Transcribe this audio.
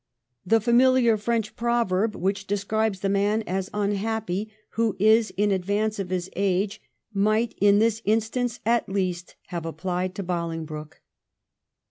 The familiar French proverb which describes the man as unhappy who is in advance of his age might, in this instance at least, have applied to Bolingbroke.